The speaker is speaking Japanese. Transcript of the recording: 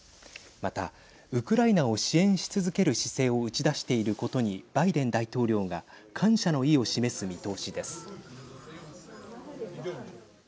また、ウクライナを支援し続ける姿勢を打ち出していることにバイデン大統領が感謝の意を示す見通しです。